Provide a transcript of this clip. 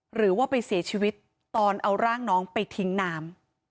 หรือว่าไปเสียชีวิตตอนเอาร่างน้องไปทิ้งน้ำ